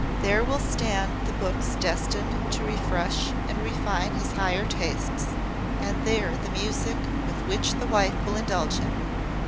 There will stand the books destined to refresh and refine his higher tastes; and there the music with which the wife will indulge him.